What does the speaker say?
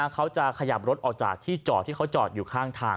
เขาจะขยับรถออกจากที่จอดที่เขาจอดอยู่ข้างทาง